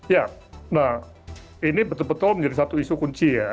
ya nah ini betul betul menjadi satu isu kunci ya